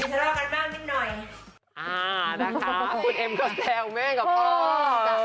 อ่านะคะคุณเอ็มก็แซวแม่งกับพ่อ